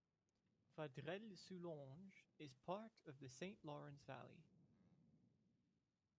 Vaudreuil-Soulanges is part of the Saint Lawrence Valley.